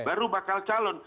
baru bakal calon